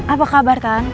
apa kabar tante